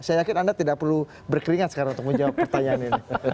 saya yakin anda tidak perlu berkeringat sekarang untuk menjawab pertanyaan ini